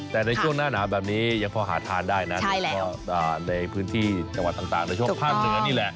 แต่ในช่วงหน้าหนาวแบบนี้ยังพอหาทานได้นะโดยเฉพาะในพื้นที่จังหวัดต่างในช่วงภาคเหนือนี่แหละ